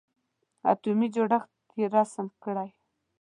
اتومي جوړښت یې رسم کړئ.